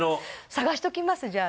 探しときますじゃあ。